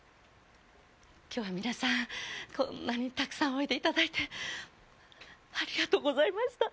今日は皆さんこんなにたくさんお出で頂いてありがとうございました。